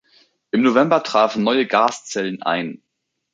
Im November trafen neue Gaszellen ein.